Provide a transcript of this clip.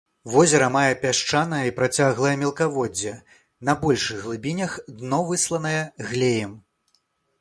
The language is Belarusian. Возера мае пясчанае і працяглае мелкаводдзе, на большых глыбінях дно высланае глеем.